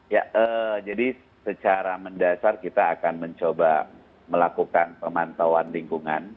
ya jadi secara mendasar kita akan mencoba melakukan pemantauan lingkungan